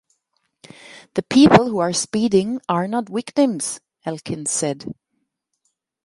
"The people who are speeding are not victims," Elkins said.